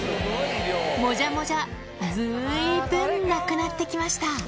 もじゃもじゃ、ずいぶんなくなってきました。